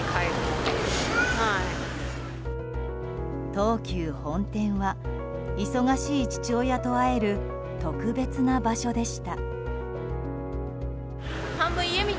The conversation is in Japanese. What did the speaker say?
東急本店は忙しい父親と会える特別な場所でした。